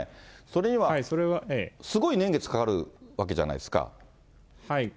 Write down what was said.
それにはすごい年月かかるわけじゃないですか。